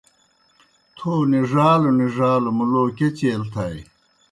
تھو نِڙالوْ نِڙالوْ مُلو کیْہ چیل تھائے۔